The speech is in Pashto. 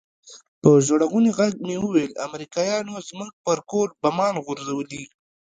په ژړغوني ږغ مې وويل امريکايانو زموږ پر کور بمان غورځولي.